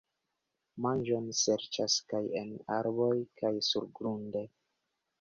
Manĝon serĉas kaj en arboj kaj surgrunde.